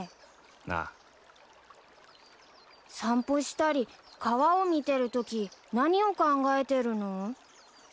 散歩したり川を見てるとき何を考えてるの？